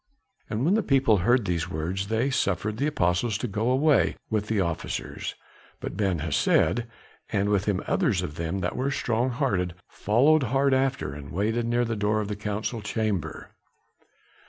And when the people heard these words, they suffered the apostles to go away with the officers. But Ben Hesed, and with him others of them that were strong hearted, followed hard after, and waited near the door of the council chamber.